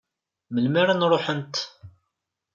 Melmi ara n-ruḥent?